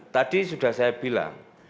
tadi sudah saya bilang